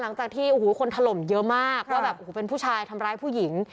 หลังจากที่โอ้โหคนถล่มเยอะมากว่าแบบโอ้โหเป็นผู้ชายทำร้ายผู้หญิง